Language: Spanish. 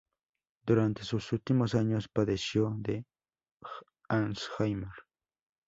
Durante sus últimos años padeció de Alzheimer.